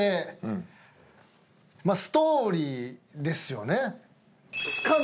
ストーリーですよね。